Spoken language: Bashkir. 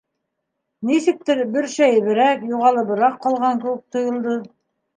Нисектер бөршәйеберәк, юғалыбыраҡ ҡалған кеүек тойолдо.